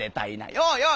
「ようよう！